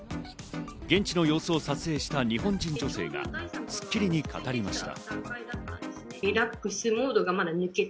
現地の様子を撮影した日本人女性が『スッキリ』に語りました。